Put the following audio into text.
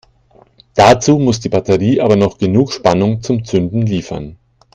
Dazu muss die Batterie aber noch genug Spannung zum Zünden liefern.